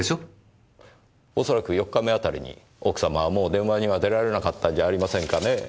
恐らく４日目あたりに奥様はもう電話には出られなかったんじゃありませんかねぇ。